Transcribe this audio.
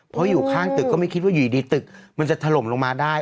เพราะอยู่ข้างตึกก็ไม่คิดว่าอยู่ดีตึกมันจะถล่มลงมาได้